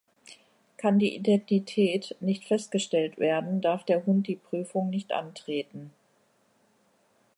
Kann die Identität nicht festgestellt werden, darf der Hund die Prüfung nicht antreten.